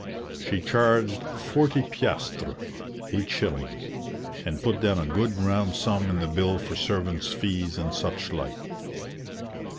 She charged forty piasters (8s.), and put down a good round sum in the bill for servants' fees and such like.